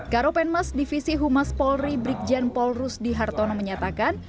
karopenmas divisi humas polri brigjen polrus di hartono menyatakan